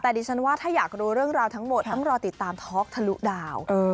แต่ดิฉันว่าถ้าอยากรู้เรื่องราวทั้งหมดต้องรอติดตามท็อกทะลุดาว